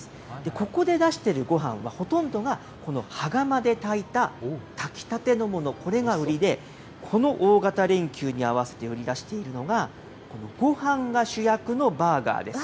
ここで出してるごはんは、ほとんどがこの羽釜で炊いた炊き立てのもの、これが売りで、この大型連休に合わせて売り出しているのが、このごはんが主役のバーガーです。